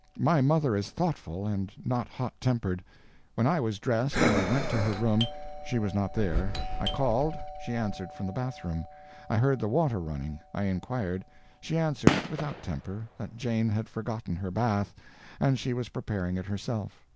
My mother is thoughtful, and not hot tempered. When I was dressed I went to her room; she was not there; I called, she answered from the bathroom. I heard the water running. I inquired. She answered, without temper, that Jane had forgotten her bath, and she was preparing it herself.